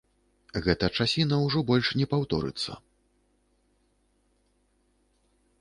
Гэта часіна ўжо больш не паўторыцца.